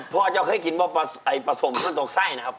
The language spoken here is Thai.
พ่อเจ้าเคยกินปลาสมที่มันตกทรายนะครับ